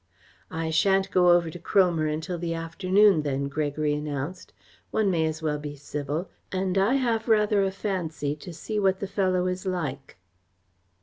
"I sha'n't go over to Cromer until the afternoon then," Gregory announced. "One may as well be civil, and I have rather a fancy to see what the fellow is like."